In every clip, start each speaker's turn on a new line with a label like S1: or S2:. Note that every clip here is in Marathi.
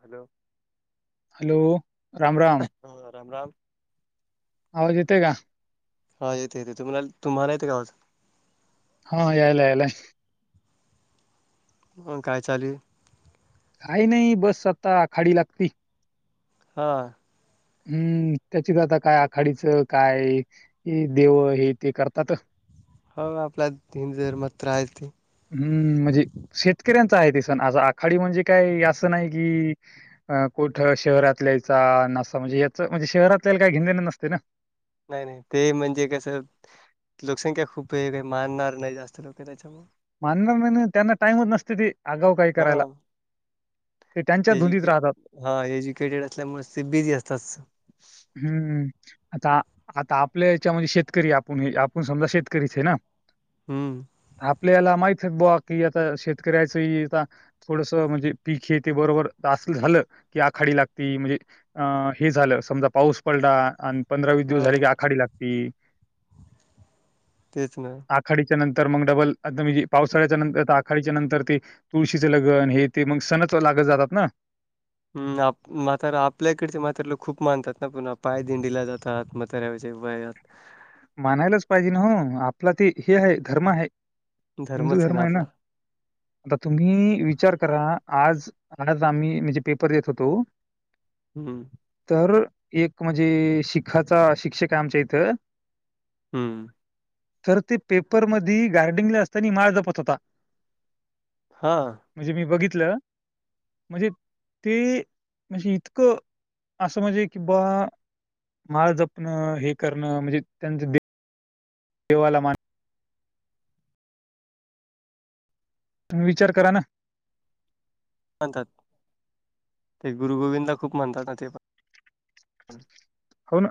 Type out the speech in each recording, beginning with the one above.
S1: Hello
S2: hello Ram Ram.
S1: हा राम राम
S2: आवाज येतोय का?
S1: हा येते येते तुम्हाला तुम्हाला येतोय का आवाजं?
S2: हा यायला यायलाय.
S1: ह काय चालील
S2: काही नाही बस आता आखाडी लागती
S1: हा
S2: हम्म त्याच्यात आता काय आखाडीचं काय देव हे ते करतात
S1: हो आपला हिंदू धर्मात तर आहे त.
S2: हम्म म्हणजे शेतकऱ्यांच आहे ते सण आज आखाडी म्हणजे काय असं नाही कि कुठं शहरातल्याचा नसा म्हणजे याच म्हणजे शहरातल्याला काय घेन देण नसते ना.
S1: नाही नाही ते म्हणजे कसं लोकसंख्या खूप हे रे मानणार नाही जास्त लोक त्याच्यामु
S2: माननार नाही नाही त्यांना टाइम च नसते ती आगाव काही
S1: हा
S2: करायला. ते त्यांच्या धुंदीत
S1: एज्युके
S2: राहतात
S1: हा एज्युकेटेड असल्यामुळेच ते बिझी असतात.
S2: हम्म. आता आता आपल्या याच्यामध्य शेतकरी आपण हे आपण समजा शेतकरीच आहे ना?
S1: हम्म.
S2: आपल्याला माहित आहे बुवा की आता शेतकऱ्याच हे आता थोडस म्हणजे पीखे ते बरोबर असल झालं की आखाडी लागती म्हणजे अ हे झालं समजा पाऊस पडला आण पंधरा वीस दिवस झाले
S1: हो
S2: की आखाडी लागती
S1: तेच ना.
S2: आखाडीच्या नंतर मग डबल अस म्हणजे पावसाळ्याच्या नंतर आखाडीच्या नंतर ते तुळशीचे लगन हे ते मग सणच लागत जातात ना.
S1: ह आप म्हातारा आपल्याकडचे म्हातारा लोक खूप मानतात ना पुन्हा पाय दिंडीला जातात म तराज बात [unintelligible]
S2: मानायलाच पाहिजे ना हो आपला ते हे आहे धर्म आहे हिंदू धर्म आहे ना. आता तुम्ही विचार करा आज अ आम्ही म्हणजे पेपर देत होतो
S1: हम्म
S2: तर एक म्हणजे शिखाचा शिक्षक आमच्या इथं
S1: हं..
S2: तर ते पेपर मधी गार्डनिंग ला असताना माळ जपत होता
S1: हा.
S2: म्हणजे मी बघितलं म्हणजे ते म्हणजे इतकं असं म्हणजे की बा माळ जपण हे करणं म्हणजे त्यांच देवाला मा तुम्ही विचार करा ना.
S1: मानतात ते गुरु गोविंदला खूप मानतात ना ते पण
S2: कोण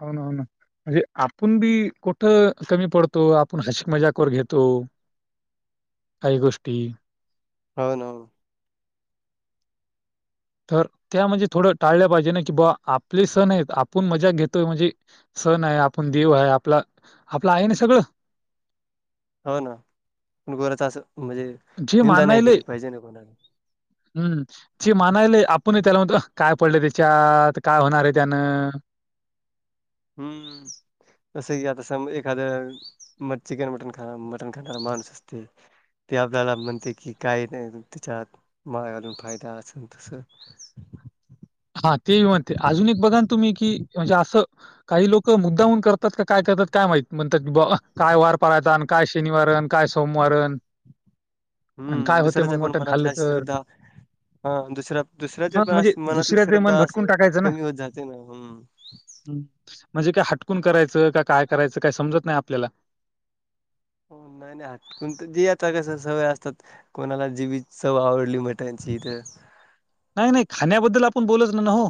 S2: हो ना हो ना [unintelligible] म्हणजे आपण बी कुठं कमी पडतो आपण हाशी मजाक करून घेतो. काही गोष्टी
S1: हो ना ओ.
S2: तर त्या म्हणजे थोडं टाळल्या पाहिजे ना की बा आपले सण आहेत आपण मजा घेतोय म्हणजे सण आहे आपण देव आहे आपला आपलं आहे ना सगळं?
S1: हो ना गोराच असं म्हणजे
S2: जे
S1: निंदा नाही
S2: मानालय
S1: केली पाहिजे ना कोणाला.
S2: हम्म ची मानायले आपण त्याला म्हणतो काय पडलं त्याच्यात काय होणार आहे त्यानं.
S1: हम्म. जसं की आता सम एखादं म चिकन मटण खा मटण खाणारा माणूस असतोय. ते आपल्याला म्हणतय की काही नाही त्याच्यात. माय घालून फायदा अस तसं.
S2: हा ते म्हणते अजून एक बघा तुम्ही की म्हणजे असं काही लोक मुद्दामून करतात का. काय करतात काय माहित म्हणतात भावा काय वार पाळायचा आणि काय शनिवारन काय सोमवार रन
S1: हम्म दुसऱ्याच पण मनातल्या
S2: तर?"
S1: सुद्धा. हा दुसऱ्या दुसऱ्याचे
S2: हां, म्हणजे
S1: पण मनातली
S2: दुसऱ्याचं मन
S1: श्रद्धा अस
S2: भटकून
S1: कमी होत जाते ना हम.
S2: ह म्हणजे काय हटकून करायचं का काय करायचं काय समजत नाही आपल्याला.
S1: हो नाही नाही हटकून तर जे आता कस सवय असतात. कोणाला जीबेची चव आवडली मटणाची तर.
S2: नाही नाही खाण्याबद्दल आपण बोलच ना ना हो.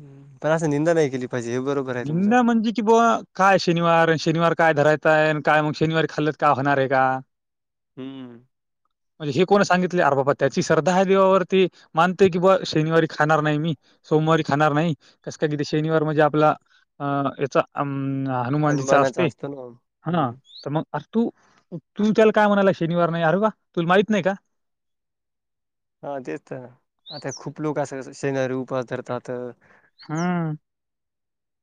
S1: हम पण असं निंदा नाही केली पाहिजे हे बरोबर. आहे तुमचं.
S2: निंदा म्हणजे की बुवा. काय शनिवार शनिवार काय धरायताय काय मग शनिवारी खाल्लत काय होणार आहे का.
S1: हम्म.
S2: म्हणजे हे कोण सांगितले अर बाबा त्याची श्रद्धा देवावरती. मानतोय की बा शनिवारी खाणार नाही मी सोमवारी खाणार नाही कस काय किती शनिवार म्हणजे आपला. अ याचा अ हनुमानजीचा
S1: हनुमानाचा
S2: असते
S1: असतो ना
S2: हा
S1: हम्म
S2: तर मग. अरे तू तु त्याला काय म्हणाला शनिवार नाही अरे बा तुला माहीत नाही का.
S1: हा तेच तर आता खूप लोक असं शनिवारी उपास धरतात.
S2: हम.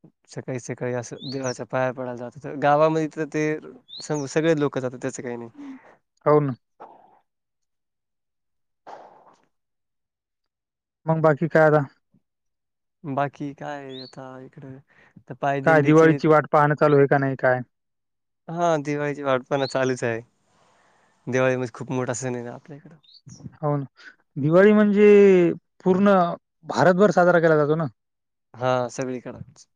S1: ह सकाळी सकाळी असं देवाच्या पाया पडायला जात तर गावामध्ये तर ते स सगळे लोक. लोक जातं त्याचं काही नाही.
S2: होन. मग बाकी काय आता.
S1: बाकी काय आता इकड. तर
S2: काय
S1: पायदिंडीची
S2: दिवाळीची वाट पाहणं चालू आहे का नाही काय.
S1: हा दिवाळीची वाटपण चालूच आहे. दिवाळी म्हणजे खूप मोठा सण आहेेत ना आपल्याकडं.
S2: हो दिवाळी म्हणजे पूर्ण भारतभर साजरा केला जातो ना.
S1: हा सगळीकडच.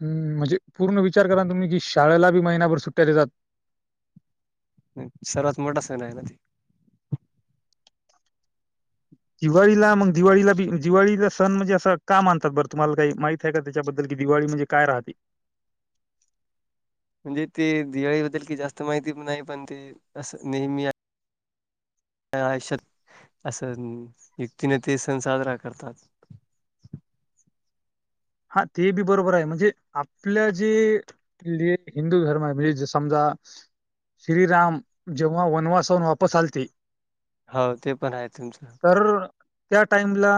S2: हम् म्हणजे पूर्ण विचार करा तुम्ही कि शाळेला बी महिनाभर सुट्ट्या देतात.
S1: नाही सर्वात मोठा सन आहे ना ते.
S2: दिवाळीला मग दिवाळीला बी दिवाळीला सण म्हणजे असं का मानतात बरं तुम्हाला काही माहि. का त्याच्याबद्दल की दिवाळी म्हणजे काय राहते.
S1: म्हणजे ते दिवाळी बद्दल की जास्त माहिती पण नाही पण ते असं नेहमी. आयुष्यात असं युक्तीने ते सण साजरा करतात.
S2: हा ते बी बरोबर आहे म्हणजे आपल्या जी. आपल्या हिंदू धर्म आहे मजे समजा. श्रीराम जेव्हा वनवासाून वापस आलते.
S1: हो ते पण आहे तुमच.
S2: तर त्या टाइमला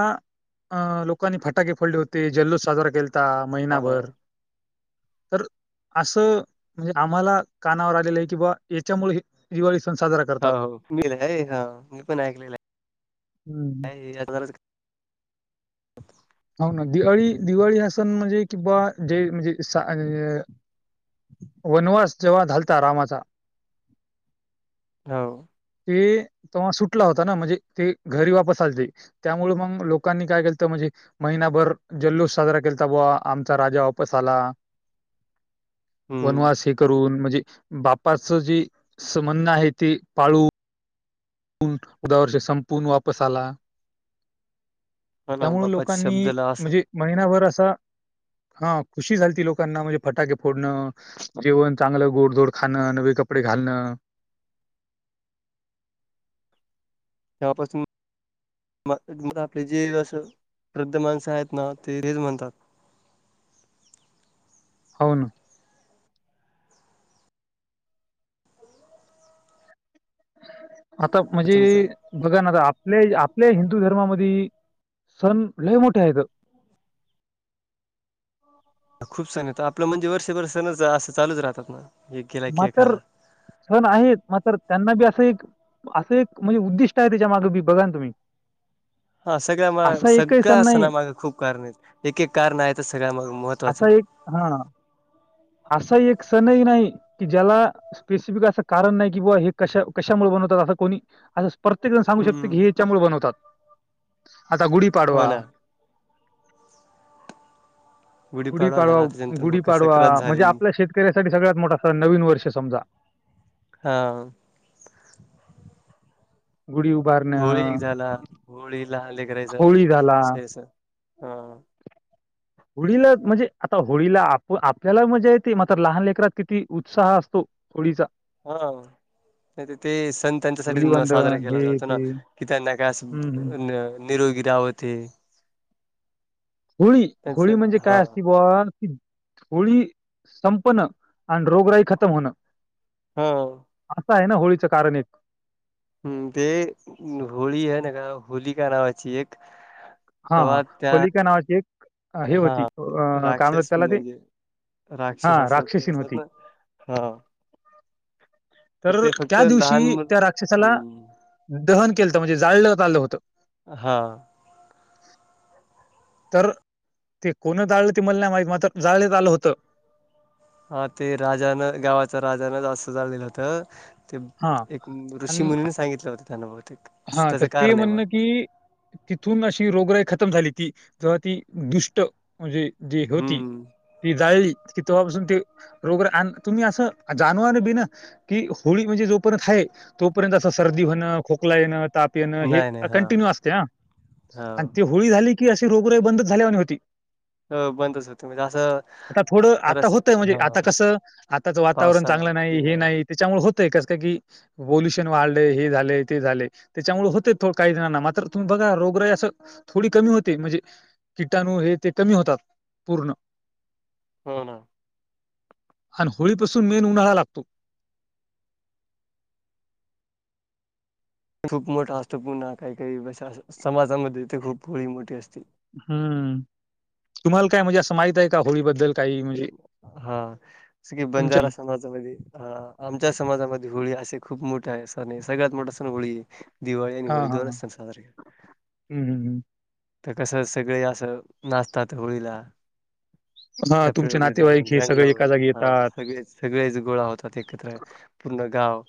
S2: अ लोकांनी फटाके फोडले होते जल्लोष केला. साजरा खेलता
S1: हो,
S2: महिनाभर.
S1: [inaudible]
S2: तर. असं म्हणजे आम्हाला कानावर आलेलं आहे कि बावा याच्यामुळे दिवाळी सण साजरा.
S1: अ
S2: करतात.
S1: मी पण हा मी पण ऐकलेलं
S2: हम्म.
S1: हाय काय अर्जार्‍याच.
S2: हो ना दिवाळी दिवाळी हासन म्हणजे किंवा जे म्हणजे सा वनवास जेव्हा घालता रामाचा
S1: हो
S2: ते तेव्हा सुटला होता ना म्हणजे ते घरी वापस लते त्यामुळे मग लोकांनी काय केलं तर म्हणजे महिनाभर जल्लोष साजरा केलाता बवा आमचा राजा वापस आला
S1: हम्म.
S2: वनवास हे करून म्हणजे बापाच जी समन्न आहे ती पाळ ्या वर्ष संपून वापस आला
S1: हो ना
S2: त्यामुं
S1: बाप्पाच्या
S2: लोकांनी
S1: शब्दला असं
S2: म्हणजे महिनाभर असा हा खुशी झाल त लोकांना म्हणजे फटाके फोडणं जेवण चांगलं गोडधोड खाणं नवे कपडे घालणं
S1: शापस म म मला आपले जे असं वृद्ध माणसं आहेत ना ते रेज म्हणतात
S2: होन आता म्हणजे
S1: तुमचं
S2: बघा ना आता आपल्या आपल्या हिंदू धर्मामध्ये सण लय मोठे आहेत
S1: खूप सण येत आपलं म्हणजे वर्षभर सणच असं चालच राहतात ना एक गेला की एक
S2: मात्र
S1: आला.
S2: सण आहेत मात्र त्यांना बी असं एक असं एक म्हणजे उद्दिष्ट आहे त्याच्या मागे बी बघा ना तुम्ही
S1: हा सगळ्या मा
S2: असा एकही सण
S1: सगळं असना
S2: नाही
S1: मागं खूप कारण आहेत एक एक कारण आहे तर सगळ्या माग महत्त्वाचे
S2: असा एक हा असा एक सणही नाही की ज्याला [unintelligible] [unintelligible] [unintelligible] स्पेसिफिक असं कारण नाही की बा हे कशा कशामुळे बनवतात असं कोणी असं [unintelligible] प्रत्येक जण सांगू शकते की
S1: हम्म.
S2: हे याच्यामुळे बनवतात आता
S1: हो
S2: गुढीपाडवा
S1: ना झाला
S2: गुढीपाडवा
S1: त्याच्यानंतर मकर
S2: गुढीपाडवा
S1: संक्रांत
S2: म्हणजे
S1: झाली.
S2: आपल्या शेतकऱ्यासाठी सगळ्यात मोठा सण नवीन वर्ष समजा
S1: हा [unintelligible]
S2: गुडी उभारणे [unintelligible]
S1: होळी एक झाला होळी लानले
S2: होळी झाला
S1: करायचस हा
S2: होळीला म्हणजे आता होळीला आप आपल्याला मजा येते मात्र लहान लेकरात किती उत्साह असतो ओडीिसा
S1: हा नाही ते सण त्यांच्यासाठी साजरा
S2: धुलीवंदन
S1: केला
S2: हे
S1: जातो ना
S2: ते.
S1: कि त्यांनाकास
S2: हं, हं.
S1: निरोगीरा होते
S2: होळी होळी म्हणजे काय असती बण होथोळी संपणं आणि रोगराई खतम होणं
S1: हा
S2: असं आहे ना होळीचं कारण एक
S1: हम्म ते होळी आहे ना का होली का नावाची एक
S2: हा हा
S1: तेव्हा त्या
S2: होलिका नावाची एक हे
S1: हा
S2: होती
S1: ते
S2: काय म्हणत्यात
S1: राक्षस
S2: त्याला ते
S1: म्हणजे राक्षस
S2: हां,
S1: असत ते
S2: राक्षसीन
S1: असत
S2: होती.
S1: ना हा
S2: तर
S1: ते फक्त
S2: त्या
S1: लहान
S2: दिवशी
S1: मुल
S2: त्या राक्षसाला
S1: हम्म
S2: दहन केलंत म्हणजे जाळ आलं होतं
S1: हा
S2: तर ते कोण जाळलं ते मला नाही माहित मात्र जाळत आलं होतं
S1: हा ते राजान गावाच राजान असं जाळलेल होत ते
S2: हां.
S1: एक ऋषीमुनीने सांगितलं होत त्यांना बहुतेक असं
S2: हा
S1: त्याचं
S2: तर ते
S1: कारण आहे मग
S2: म्हणणं की तिथून अशी रोगराई खतम झाली ती जेव्हा ती दुष्ट म्हणजे जी होती
S1: हम्म
S2: ती जाळली की तेव्हापासून ते रोग तुम्ही असं जाणवान बिन कि होळी म्हणजे जोपर्यंत आहे तोपर्यंत असं सर्दी होणं खोकला येणं ताप हे
S1: नाही नाही हा
S2: कंटिन्यू असते
S1: हा
S2: आणि ते होळी झाली की अशी रोग रे बंदच झाल्या होती.
S1: बंदच होते म्हणजे असं
S2: आता थोडं आता
S1: खरंच
S2: होतय म्हणजे
S1: हा
S2: आता कसं. आताचं वातावरण चांगलं
S1: पावसाळ्यात
S2: नाही हे नाही त्याच्यामुळे होतय कस का की पोल्युशन वाढलंय हे झालंय. ते झाले त्याच्यामुळे होते काही जणांना मात्र तुम्ही बघा रोगराई असं थोडी कमी होते म्हणजे कीटाणू हे ते कमी होतात पूर्ण.
S1: हो ना.
S2: आणि होळीपसून मेन उन्हाळा लागतो.
S1: खूप मोठा असतो पुन्हा काही काही ब समाजामध्ये ते खूप होळी मोठी असते.
S2: हम्म तुम्हाला काय म्हणजे असं माहित आहे का होळीबद्दल काही म्हणज
S1: हा सगळे बांजार समाज आमच्या समाजामध्ये होळी असे खूप मोठे आहे सण हे सगळ्यात मोठ सण होळी आहे. दिवाळी आणि होळी दोन च सण साजर आहे.
S2: हम् हम् हम.
S1: तर कसं सगळे असं नाचतात होळीला
S2: हा
S1: डपळे
S2: तुमचे
S1: वगैरे लावून
S2: नातेवाईक हे
S1: रंग
S2: सगळे एका
S1: लावून
S2: जागी
S1: हा
S2: येतात
S1: सगळे सगळेच गोळा होतात एकत्र. पुूर्ण गाव.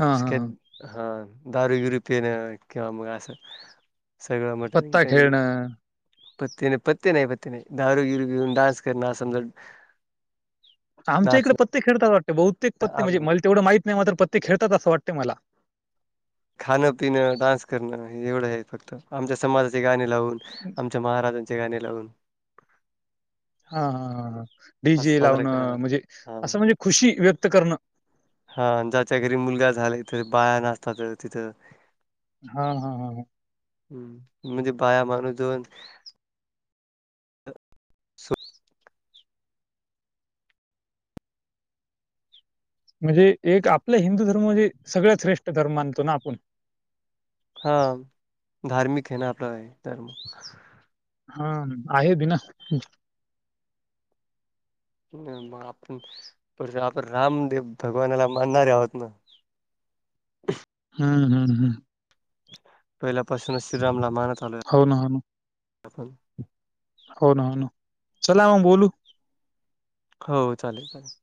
S2: हा हा हा.
S1: हा दारू गिरु पिण किंवा मग असं सगळं मटण
S2: पत्ता
S1: गिटण
S2: खेळणं
S1: पत्त नाही पत्ते नाही पत्तते नाही दारू गिरि पिऊन डान्स करणार समजा
S2: आमच्या इकडे
S1: नाचणं
S2: पत्ते खेळतच अस वाटते बहुतेक पत्ते म्हणे
S1: आम-
S2: मला तेढं माहीत नाही म पत्ते खेळतात अस वातते मला.
S1: खाणं पिण डान्स करणं हे एवढं आहे फक्त आमच्या समाजाचे गाणे लावून आमच्या महाराजां गाणी लावून.
S2: हा हा ह डी
S1: असं
S2: जे
S1: साजरा केला
S2: लावणं
S1: जातो.
S2: म्हणजे
S1: हा
S2: असं म्हणजे खुशी व्यक्त करणं.
S1: हा ज्याच्या घरी मुलगा झाल्या तथ बाया नाचतात तिथं.
S2: हा हा हा.
S1: हम् म्हणजे बाया माणूसन [unintelligible] सो-
S2: म्हणजे एक आपला हिंदू धर्म म्हणजे सगळ्यात श्रेष्ठ धर्म मानतो ना आपण.
S1: हा धार्मिक हेन ना [unintelligible] आपला धर्म
S2: हा आहे बी ना.
S1: मग आपण स आपण रामदेव भगवानाला मानणारे आहोत ना.
S2: हम्म हम्म हम.
S1: पहिल्यापासूनच श्रीरामला मानत आले.
S2: हो ना हो ना. हो ना हो ना चला मग बोलू.
S1: हो चालेल चालेल.